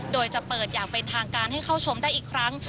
โดยจะเปิดอย่างเป็นทางการให้เข้าชมได้อีกครั้ง